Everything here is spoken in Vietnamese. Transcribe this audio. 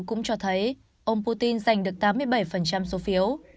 cũng cho thấy ông putin giành được tám mươi bảy số phiếu